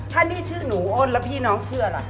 ถ้านี่ชื่อหนูอ้นแล้วพี่น้องชื่ออะไร